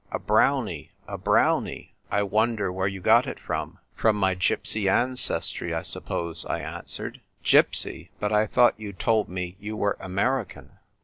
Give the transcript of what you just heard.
"A brownie, a brownie! I wonder where you got it from ?"" From my gypsy ancestry, I suppose," I answered. " Gypsy — but I thought you told me you were American